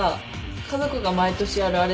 家族が毎年やる「あれ」って何？